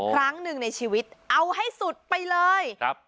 ครั้งหนึ่งในชีวิตเอาให้สุดไปเลย